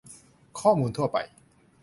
ข้อมูลทั่วไป